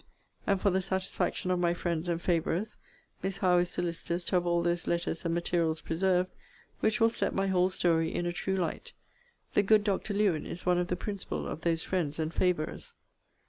And for the satisfaction of my friends and favourers, Miss Howe is solicitous to have all those letters and materials preserved, which will set my whole story in a true light. The good Dr. Lewen is one of the principal of those friends and favourers.